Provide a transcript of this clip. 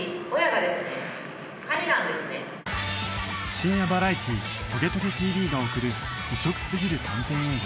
深夜バラエティ『トゲトゲ ＴＶ』が送る異色すぎる短編映画